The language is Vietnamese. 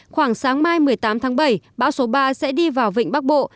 khoảng sáng mai một mươi tám tháng bảy bão số ba sẽ đi vào vịnh bắc bộ